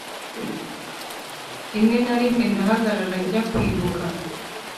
rimwe na rimwe ndahagarara, njya kwibuka